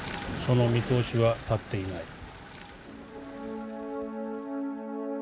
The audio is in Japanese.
その見通しは立っていない」。